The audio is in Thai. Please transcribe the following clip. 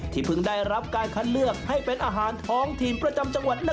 เพิ่งได้รับการคัดเลือกให้เป็นอาหารท้องถิ่นประจำจังหวัด